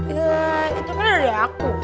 ya itu kan dari aku